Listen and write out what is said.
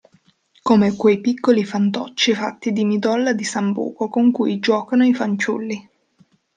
Come quei piccoli fantocci fatti di midolla di sambuco con cui giuocano i fanciulli.